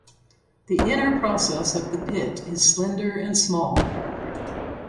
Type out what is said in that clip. The inner process of the pit is slender and small.